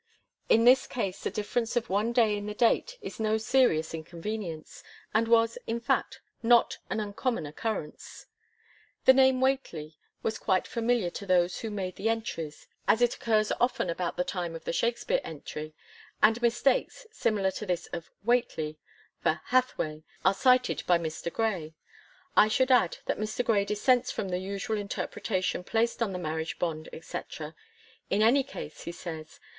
In this case the difference of one day in the date is no serious inconvenience, and was, in fact, not an uncommon occurrence. The name * Whateley ' was quite familiar to those who made the entries, as it occurs often about the time of the Shak spere entry, and mistakes, similar to this of * Whateley ' for *Hathwey,' are cited by Mr. Gray, pp. 26 27. I should add that Mr. Gray dissents from the usual interpretation placed on the marriage bond, &;c. 'In any case,' he says, p.